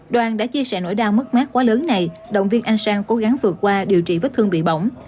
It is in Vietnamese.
đoàn đã chia sẻ nỗi đau mất mát quá lớn này động viên anh sang cố gắng vượt qua điều trị vết thương bị bỏng